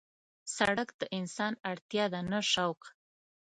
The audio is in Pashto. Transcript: سړک د انسان اړتیا ده نه شوق.